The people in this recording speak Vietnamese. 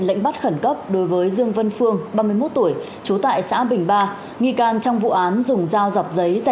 xin chào và hẹn gặp lại